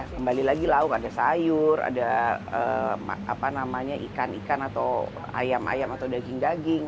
kembali lagi lauk ada sayur ada ikan ikan atau ayam ayam atau daging daging